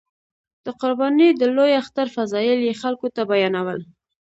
د قربانۍ د لوی اختر فضایل یې خلکو ته بیانول.